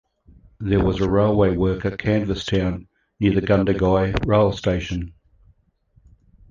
There was a railway worker canvas town near the Gundagai Rail Station.